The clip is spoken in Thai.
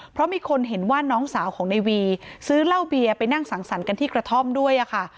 เพราะมีคนเห็นว่าน้องสาวของในวีซื้อเหล้าเบียร์ไปนั่งสังสรรค์กันที่กระท่อมด้วยค่ะ